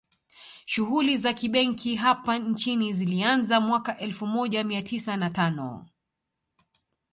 Shughuli za kibenki hapa nchini zilianza mwaka elfu moja mia tisa na tano